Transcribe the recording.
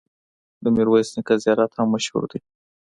د میرویس نیکه زیارت هم مشهور دی.